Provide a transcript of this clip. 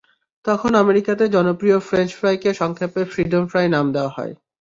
তখন আমেরিকাতে জনপ্রিয় ফ্রেঞ্চ ফ্রাইকে সংক্ষেপে ফ্রিডম ফ্রাই নাম দেওয়া হয়।